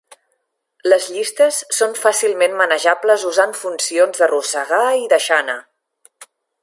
Les llistes són fàcilment manejables usant funcions d'arrossegar i deixar anar.